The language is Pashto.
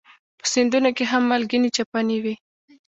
په سیندونو کې هم مالګینې چینې وي.